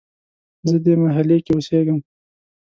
زه دې محلې کې اوسیږم